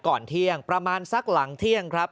ก่อนเที่ยงประมาณสักหลังเที่ยงครับ